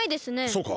そうか。